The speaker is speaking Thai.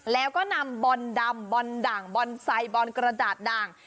แล้วก็นำบ่นดำบ่นด่างบ่นไสบ่นกระดาษด่าง